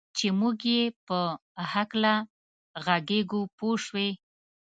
چې موږ یې په هکله ږغېږو پوه شوې!.